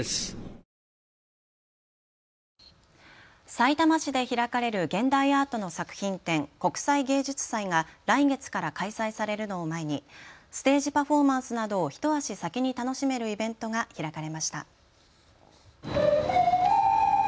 さいたま市で開かれる現代アートの作品展、国際芸術祭が来月から開催されるのを前にステージパフォーマンスなどを一足先に楽しめるイベントが開かれました。